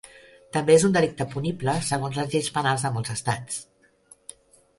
També és un delicte punible segons les lleis penals de molts estats.